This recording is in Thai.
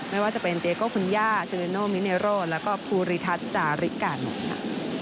ไม่ว่าจะเป็นเตโก้คุณย่าเชลิโนมิเนโร่แล้วก็ภูริทัศน์จาริกานนท์ค่ะ